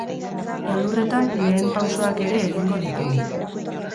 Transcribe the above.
Elurretan lehen pausoak ere egingo ditugu.